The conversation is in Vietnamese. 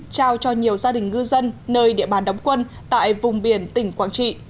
trao cho nhiều gia đình ngư dân nơi địa bàn đóng quân tại vùng biển tỉnh quảng trị